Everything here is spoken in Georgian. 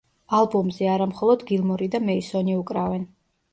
ალბომზე არა მხოლოდ გილმორი და მეისონი უკრავენ.